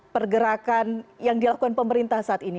pergerakan yang dilakukan pemerintah saat ini